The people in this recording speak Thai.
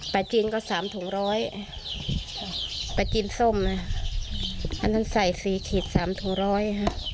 ปลาจีนก็๓ถุงร้อยปลาจีนส้มอันนั้นใส่๔ขีด๓ถุงร้อย